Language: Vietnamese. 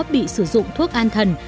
bị sử dụng thuốc an thần